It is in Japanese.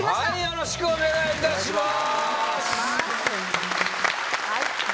よろしくお願いします。